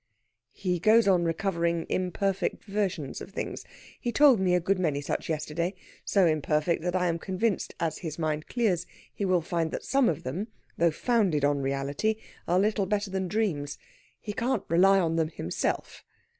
"He goes on recovering imperfect versions of things. He told me a good many such yesterday so imperfect that I am convinced as his mind clears he will find that some of them, though founded on reality, are little better than dreams. He can't rely on them himself....